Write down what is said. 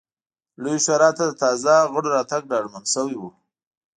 لویې شورا ته د تازه غړو راتګ ډاډمن شوی و.